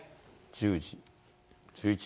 １０時、１１時。